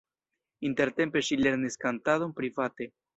Intertempe ŝi lernis kantadon private.